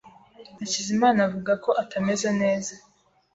Hakizimana avuga ko atameze neza.